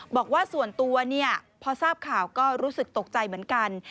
บอกว่าส่วนตัวพอทราบข่าวก็รู้สึกตกใจเหมือนกัน